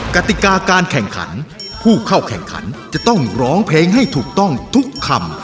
กติกาการแข่งขันผู้เข้าแข่งขันจะต้องร้องเพลงให้ถูกต้องทุกคำ